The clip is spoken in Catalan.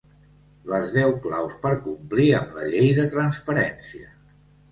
Les deu claus per complir amb la llei de transparència.